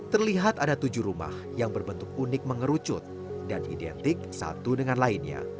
terlihat ada tujuh rumah yang berbentuk unik mengerucut dan identik satu dengan lainnya